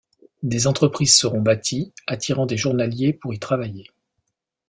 Des entreprises seront bâties attirant des journaliers pour y travailler.